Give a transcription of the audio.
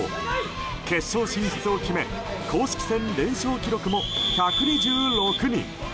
決勝進出を決め公式戦連勝記録も１２６に！